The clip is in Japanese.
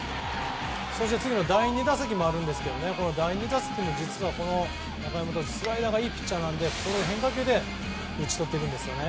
そして次の第２打席もあるんですが第２打席も、実は中山投手はスライダーがいいピッチャーなので変化球で打ち取ってます。